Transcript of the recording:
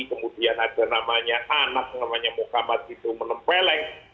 kemudian ada anak namanya mukamat itu menempeleng